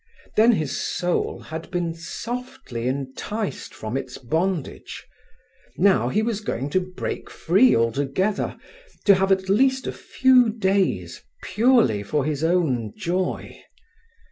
Then his soul had been softly enticed from its bondage. Now he was going to break free altogether, to have at least a few days purely for his own joy.